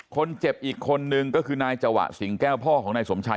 อีกคนนึงก็คือนายจวะสิงแก้วพ่อของนายสมชัย